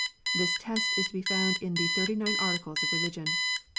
This test is to be found in " the Thirty nine Articles of Religion."